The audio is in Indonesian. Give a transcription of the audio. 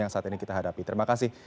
yang saat ini kita hadapi terima kasih